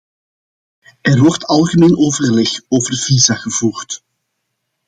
Er wordt algemeen overleg over visa gevoerd.